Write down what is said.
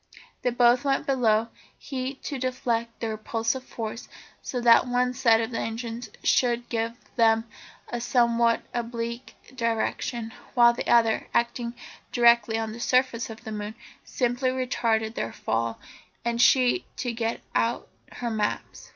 They both went below, he to deflect the repulsive force so that one set of engines should give them a somewhat oblique direction, while the other, acting directly on the surface of the moon, simply retarded their fall; and she to get out her maps.